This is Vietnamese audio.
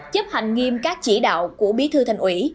chấp hành nghiêm các chỉ đạo của bí thư thành ủy